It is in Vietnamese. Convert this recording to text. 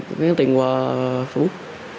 có nhắn tin qua facebook